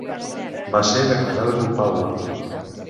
Va ser declarada culpable?